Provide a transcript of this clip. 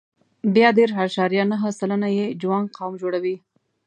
بیا دېرش اعشاریه نهه سلنه یې جوانګ قوم جوړوي.